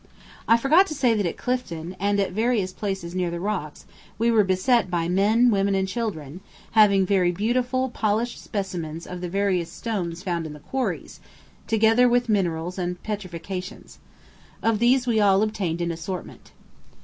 I forgot to say that at Clifton, and at various places near the rocks, we were beset by men, women, and children, having very beautiful polished specimens of the various stones found in the quarries, together with minerals and petrifactions. Of these we all obtained an assortment.